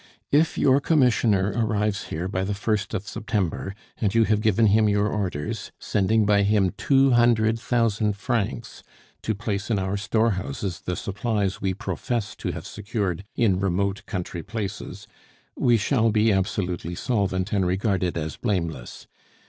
"If your commissioner arrives here by the 1st of September, and you have given him your orders, sending by him two hundred thousand francs to place in our storehouses the supplies we profess to have secured in remote country places, we shall be absolutely solvent and regarded as blameless.